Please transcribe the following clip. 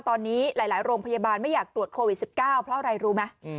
ตอนนี้หลายโรงพยาบาลไม่อยากตรวจโควิด๑๙เพราะอะไรรู้ไหม